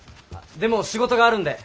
でも仕事があるんで。